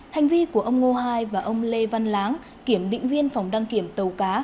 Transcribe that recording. hành vi của ông ngô hai và ông lê văn láng kiểm định viên phòng đăng kiểm tàu cá